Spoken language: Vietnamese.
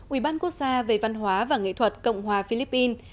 ubnd về văn hóa và nghệ thuật cộng hòa philippines